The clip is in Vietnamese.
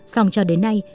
xong cho đến nay